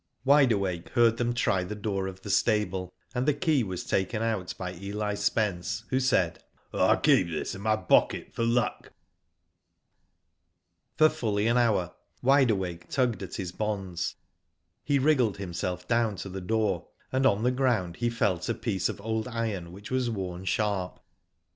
Wide Awake heard them try the door of the stable, and the key was taken out by Eli Spence, who said : '^'11 keep this in my pocket for luck." Digitized byGoogk ATTACK ON THE HOMESTEAD. I6i For fully an hour Wide Awake tugged at his bonds. He riggled himself down to the door, aud on the ground he felt a piece of old iron which was worn sharp.